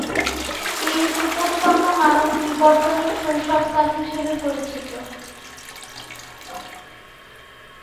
এই উপত্যকা মানব বিবর্তনের শৈশবকাল হিসেবে পরিচিত।